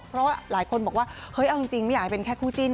เพราะว่าหลายคนบอกว่าเฮ้ยเอาจริงไม่อยากให้เป็นแค่คู่จิ้น